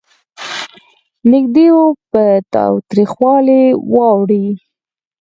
نېږدې و په تاوتریخوالي واوړي.